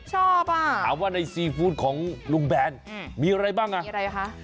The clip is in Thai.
ชอบอ่ะถามว่าในซีฟู้ดของลุงแบนมีอะไรบ้างอ่ะมีอะไรคะ